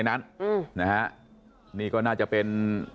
สมเด็จเนี่ย